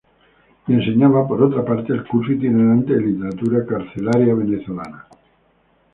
Y enseñaba, por otra parte, el curso itinerante de "Literatura carcelaria venezolana".